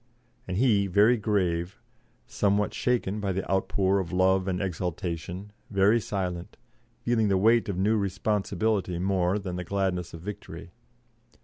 And he, very grave, somewhat shaken by the outpour of love and exultation, very silent, feeling the weight of new responsibility more than the gladness of victory.